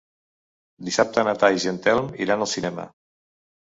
Dissabte na Thaís i en Telm iran al cinema.